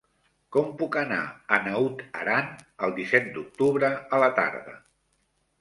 Com puc anar a Naut Aran el disset d'octubre a la tarda?